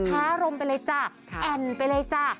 อารมณ์ไปเลยจ้ะแอ่นไปเลยจ้ะ